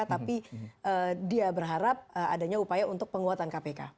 tapi dia berharap adanya upaya untuk penguatan kpk